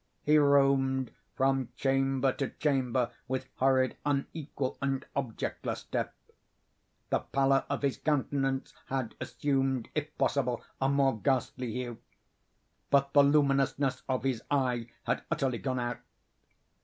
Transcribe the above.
He roamed from chamber to chamber with hurried, unequal, and objectless step. The pallor of his countenance had assumed, if possible, a more ghastly hue—but the luminousness of his eye had utterly gone out.